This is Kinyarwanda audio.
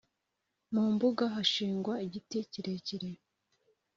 mumbuga hashingwa igiti kirekire